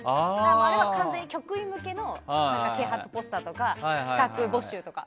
あれは完全に局員向けの啓発ポスターとか企画募集とか。